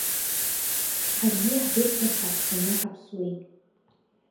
Ҳаргьы иаҳдырхьыр ҳәа ҳшәаны ҳаԥсуеит…